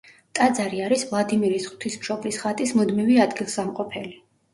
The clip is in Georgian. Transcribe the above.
ტაძარი არის ვლადიმირის ღვთისმშობლის ხატის მუდმივი ადგილსამყოფელი.